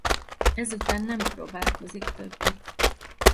Ezután nem próbálkozik többet.